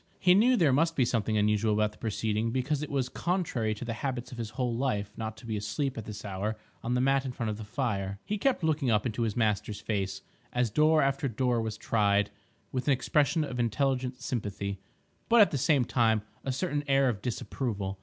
He knew there must be something unusual about the proceeding, because it was contrary to the habits of his whole life not to be asleep at this hour on the mat in front of the fire. He kept looking up into his master's face, as door after door was tried, with an expression of intelligent sympathy, but at the same time a certain air of disapproval.